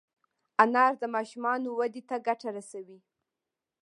انار د ماشومانو وده ته ګټه رسوي.